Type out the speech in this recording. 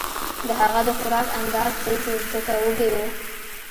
د هغه د خوراک انداز تېز و ځکه وږی و